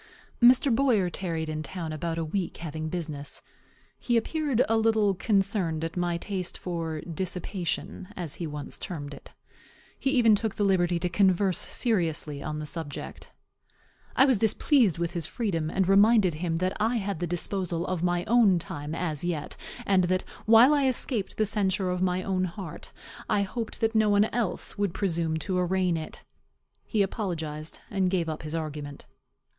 Mr. Boyer tarried in town about a week, having business. He appeared a little concerned at my taste for dissipation, as he once termed it. He even took the liberty to converse seriously on the subject. I was displeased with his freedom, and reminded him that I had the disposal of my own time as yet, and that, while I escaped the censure of my own heart, I hoped that no one else would presume to arraign it. He apologized, and gave up his argument.